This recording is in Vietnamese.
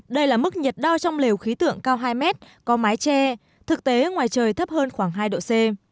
đây là mức nhiệt đo trong lều khí tượng cao hai mét có mái tre thực tế ngoài trời thấp hơn khoảng hai độ c